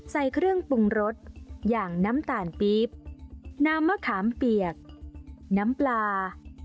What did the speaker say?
ใส่เครื่องปรุงรสอย่างน้ำตาลปี๊บน้ำมะขามเปียกน้ำปลา